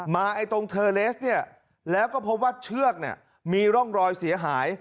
ไอ้ตรงเทอร์เลสเนี่ยแล้วก็พบว่าเชือกเนี่ยมีร่องรอยเสียหาย